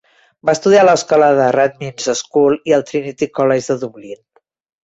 Va estudiar a l'escola de Rathmines School i al Trinity College de Dublín.